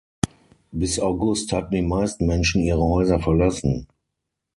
Bis August hatten die meisten Menschen ihre Häuser verlassen.